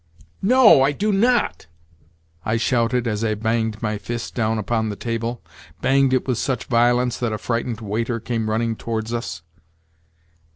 "No, I do not!" I shouted as I banged my fist down upon the table—banged it with such violence that a frightened waiter came running towards us.